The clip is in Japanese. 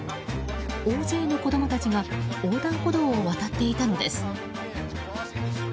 大勢の子供たちが横断歩道を渡っていたのです。